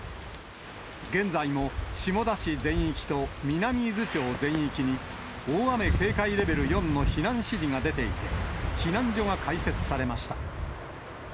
現在も下田市全域と南伊豆町全域に、大雨警戒レベル４の避難指示が出ていて、避難所が開設されました。